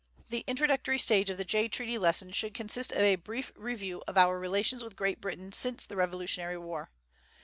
The introductory stage of the Jay Treaty lesson should consist of a brief review of our relations with Great Britain since the Revolutionary War.